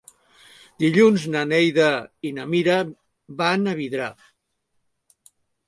Dilluns na Neida i na Mira van a Vidrà.